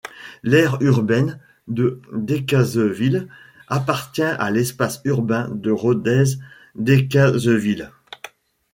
L’aire urbaine de Decazeville appartient à l’espace urbain de Rodez-Decazeville.